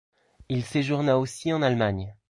Il séjourna aussi en Allemagne.